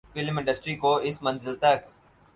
film industry کو اس منزل تک